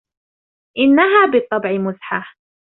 إنها بالطبع مزحة!